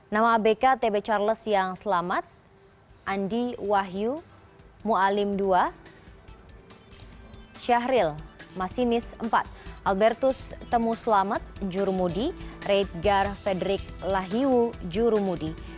nama abk tb charles yang selamat andi wahyu mualim dua syahril masinis empat albertus temuslamet jurumudi redgar frederick lahiwu jurumudi